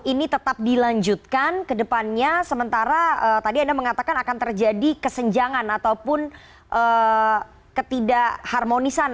ini tetap dilanjutkan ke depannya sementara tadi anda mengatakan akan terjadi kesenjangan ataupun ketidak harmonisan